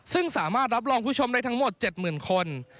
ซึ่งสามารถรับรองผู้ชมได้ทั้งหมด๗๐๐คน